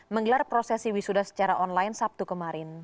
menggelar prosesi wisuda secara online sabtu kemarin